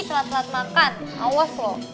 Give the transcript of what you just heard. telat telat makan awas loh